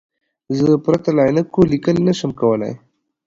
زه پرته له عینکو لیکل نشم کولای.